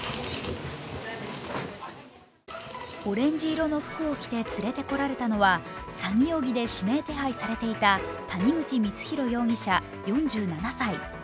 オレンジ色の服を着て連れてこられたのは詐欺容疑で指名手配されていた谷口光弘容疑者４７歳。